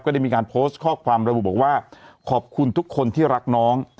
ได้มีการโพสต์ข้อความระบุบอกว่าขอบคุณทุกคนที่รักน้อง